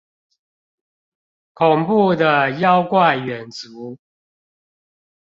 恐怖的妖怪遠足